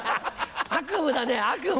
悪夢だね悪夢。